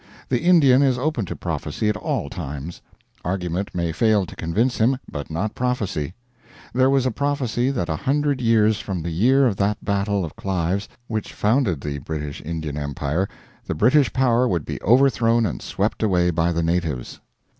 The Indian is open to prophecy at all times; argument may fail to convince him, but not prophecy. There was a prophecy that a hundred years from the year of that battle of Clive's which founded the British Indian Empire, the British power would be overthrown and swept away by the natives.